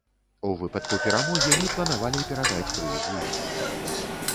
У выпадку перамогі мы планавалі перадаць прыз ім.